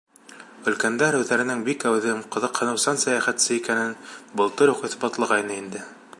Өлкәндәр үҙҙәренең бик әүҙем, ҡыҙыҡһыныусан сәйәхәтсе икәнен былтыр уҡ иҫбатлағайны инде.